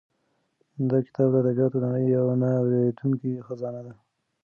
دا کتاب د ادبیاتو د نړۍ یوه نه ورکېدونکې خزانه ده.